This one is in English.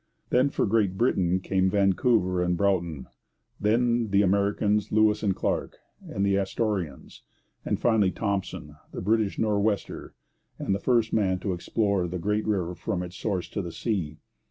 Then for Great Britain came Vancouver and Broughton; then the Americans, Lewis and Clark and the Astorians; and finally Thompson, the British Nor'wester and the first man to explore the great river from its source to the sea.